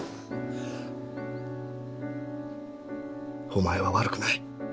お前は悪くない。